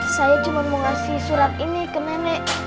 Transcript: saya cuma mau ngasih surat ini ke nenek